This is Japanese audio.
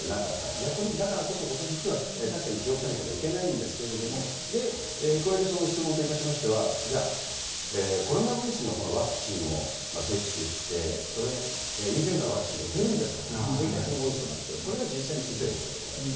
逆にだからこそことしというのは、確かに気をつけなければいけないんですけれども、加えてその質問といたしましては、じゃあ、コロナウイルスのこのワクチンを接種して、それ、インフルエンザのワクチンが打てるんですかと、そういった質問が多いそうなんですけど、これは実際に打てるそうでございます。